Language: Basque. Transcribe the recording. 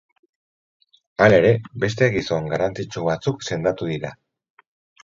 Hala ere, beste gizon garrantzitsu batzuk sendatu dira.